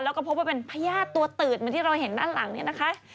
แล้วก็พบว่าเป็นพญาติตัวตืดเหมือนที่เราเห็นด้านหลังเนี่ยนะคะ